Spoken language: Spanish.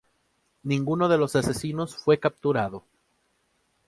Ninguno de los asesinos fue capturado.